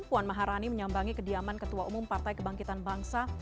puan maharani menyambangi kediaman ketua umum partai kebangkitan bangsa